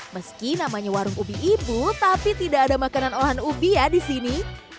meski namanya warung ubi ibu tapi tidak ada makanan olahan ubi ya di sini